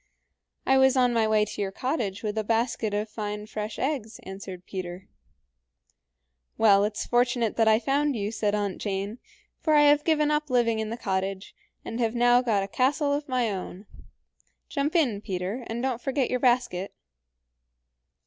"I was on my way to your cottage with a basket of fine fresh eggs," answered Peter. "Well, it's fortunate I found you," said Aunt Jane, "for I have given up living in the cottage, and have now got a castle of my own. Jump in, Peter, and don't forget your basket."